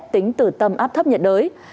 tính từ tâm áp thấp nhiệt đới